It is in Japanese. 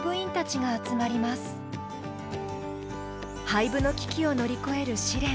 廃部の危機を乗り越える試練。